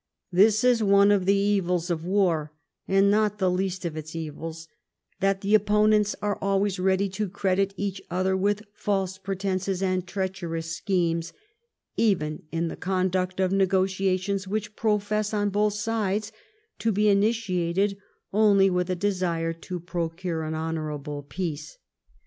This is one of the evils of war, and not the least of its evils, that the opponents are always ready to credit each other with false pretences and treacherous schemes, even in the conduct of nego tiations which profess, on both sides, to be initiated only with a desire to procure an honorable peace.